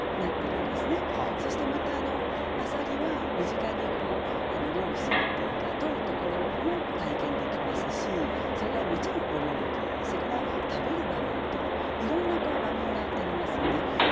そしてまた浅蜊は身近に漁をするっていうか取るところも体験できますしそれからもちろんお料理それから食べる場面といろんな場面がありますよね。